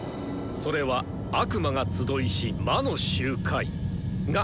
それは悪魔が集いし魔の集会！が！